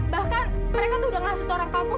bahkan mereka tuh udah ngasut orang kampung